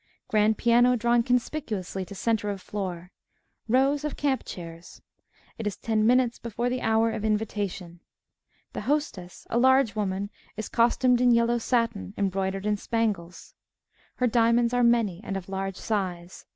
Grand piano drawn conspicuously to center of floor. Rows of camp chairs. It is ten minutes before the hour of invitation._ The Hostess, _a large woman, is costumed in yellow satin, embroidered in spangles. Her diamonds are many and of large size.